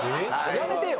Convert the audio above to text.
やめてよ。